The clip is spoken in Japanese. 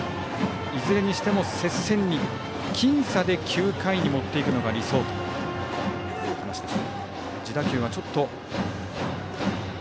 いずれにしても接戦に僅差で９回に持っていくのが理想という話です。